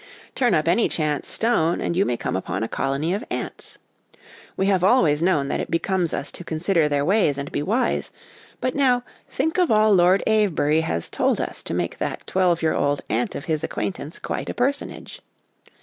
Turn up any chance stone, and you may come upon a colony of ants. We have always known that it becomes us to consider their ways and be wise; but now, think of all Lord Avebury has told us to make that twelve year old ant of his acquaintance quite a personage.